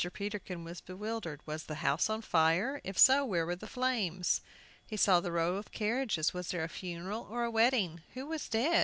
Peterkin was bewildered. Was the house on fire? If so, where were the flames? He saw the row of carriages. Was there a funeral, or a wedding? Who was dead?